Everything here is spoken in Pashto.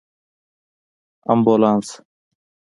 🚑 امبولانس